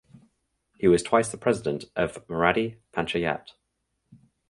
He was twice the president of Maradi panchayat.